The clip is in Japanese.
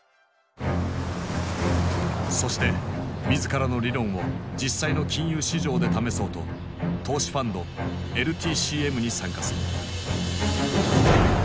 そして自らの理論を実際の金融市場で試そうと投資ファンドＬＴＣＭに参加する。